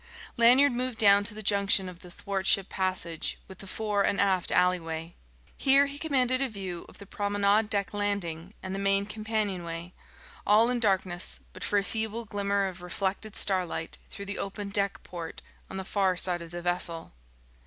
Lanyard moved down to the junction of the thwartship passage with the fore and aft alleyway. Here he commanded a view of the promenade deck landing and the main companionway, all in darkness but for a feeble glimmer of reflected starlight through the open deck port on the far side of the vessel.